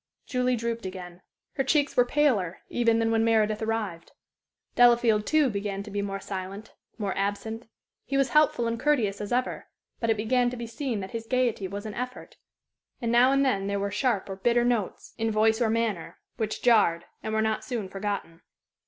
Julie drooped again. Her cheeks were paler even than when Meredith arrived. Delafield, too, began to be more silent, more absent. He was helpful and courteous as ever, but it began to be seen that his gayety was an effort, and now and then there were sharp or bitter notes in voice or manner, which jarred, and were not soon forgotten.